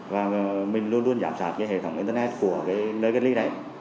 và mình luôn luôn giảm sát cái hệ thống internet của nơi cất ly